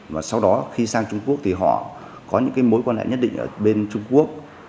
và sau đó khi sang trung quốc thì họ có những mối quan hệ nhất định ở bên trung quốc